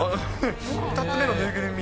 ２つ目の縫いぐるみ。